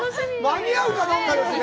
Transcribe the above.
間に合うかどうかですね。